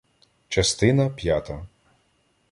ЧАСТИНА П'ЯТА